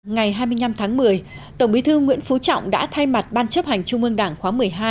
ngày hai mươi năm tháng một mươi tổng bí thư nguyễn phú trọng đã thay mặt ban chấp hành trung ương đảng khóa một mươi hai